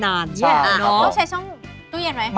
ต้องใช้ช่องตู้เย็นไหม